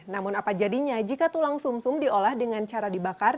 namun apa jadinya jika tulang sum sum diolah dengan cara dibakar